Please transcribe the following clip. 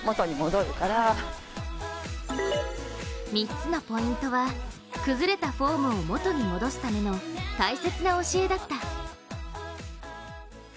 ３つのポイントは崩れたフォームを元に戻すための大切な教えだった。